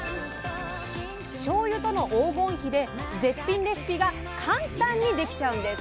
しょうゆとの黄金比で絶品レシピが簡単にできちゃうんです！